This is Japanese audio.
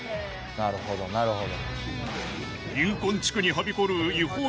なるほどなるほど。